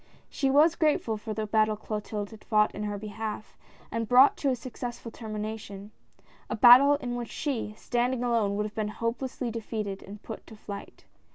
She was grateful for the battle Clotilde had fought in her behalf, and brought to a successful termination — a battle in which she, standing alone, would have been hopelessly defeated and put to flight.